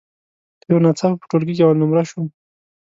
یو ناڅاپه په ټولګي کې اول نمره شوم.